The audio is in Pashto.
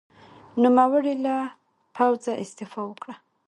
نوموړي له پوځه استعفا وکړه.